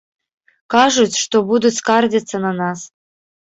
Кажуць, што будуць скардзіцца на нас.